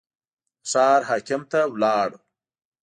د ښار حاکم ته لاړ.